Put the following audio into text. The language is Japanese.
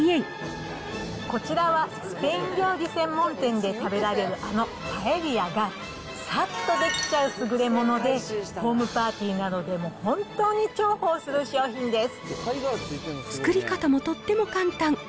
こちらはスペイン料理専門店で食べられるあのパエリアが、さっと出来ちゃう優れもので、ホームパーティーなどでも本当に重作り方もとっても簡単。